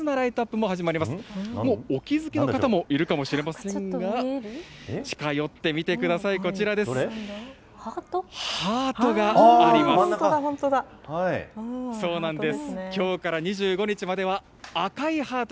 もうお気付きの方もいるかもしれませんが、近寄って見てください、ハート？